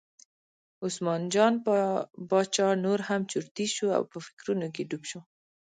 عثمان جان باچا نور هم چرتي شو او په فکرونو کې ډوب شو.